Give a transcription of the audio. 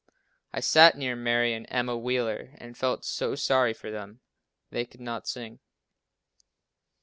I sat near Mary and Emma Wheeler and felt so sorry for them. They could not sing.